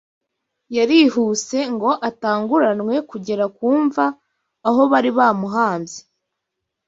yarihuse ngo atanguranwe kugera ku mva aho bari bamuhambye